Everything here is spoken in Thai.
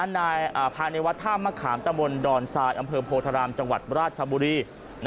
นายผ่านครับในวัดธ่ามหัคขาตำบลดอลร์ซายอเมืองโพธารามจังหวัดบราชบุรี